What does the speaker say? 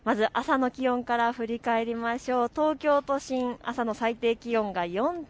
まず朝の気温から振り返りましょう。